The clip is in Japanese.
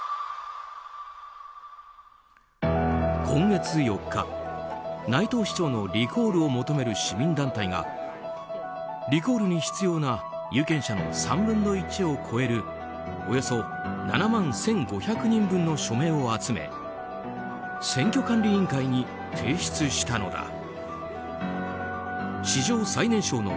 今月４日、内藤市長のリコールを求める市民団体がリコールに必要な有権者の３分の１を超えるおよそ７万１５３０人分の署名を集め選挙管理委員会に提出したのだ。